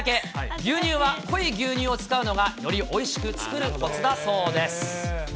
牛乳は濃い牛乳を使うのがよりおいしく作るこつだそうです。